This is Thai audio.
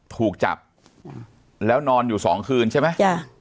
ถูกจับแล้วนอนอยู่สองคืนใช่ไหมจ้ะ